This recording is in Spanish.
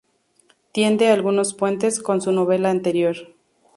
Tiende algunos puentes con su novela anterior.